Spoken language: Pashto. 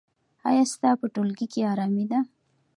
ایا ستا په ټولګي کې ارامي ده؟